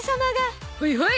ほいほい！